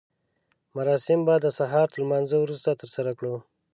مراسم به د سهار تر لمانځه وروسته ترسره کړو.